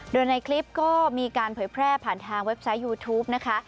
โดยในคลิปก็มีการเผยแพร่ผ่านทางเว็บไซต์ยูทูปนะคะ